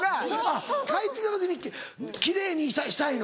あっ帰ってきた時に奇麗にしたいの？